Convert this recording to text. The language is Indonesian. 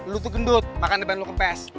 lo tuh gendut maka depan lo kepes